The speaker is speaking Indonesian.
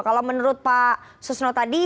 kalau menurut pak susno tadi